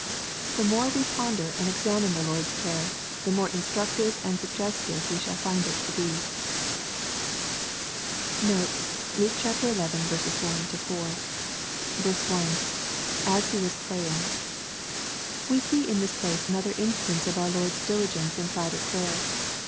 The more we ponder and examine the Lord's Prayer, the more instructive and suggestive shall we find it to be. Notes. Luke XI. 1 4. 1. — [As He was praying.] We see in this place another instance of our Lord's diligence in private prayer.